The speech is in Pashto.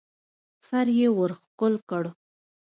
سر يې ورښکل کړ.